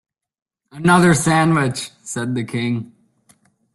‘Another sandwich!’ said the King.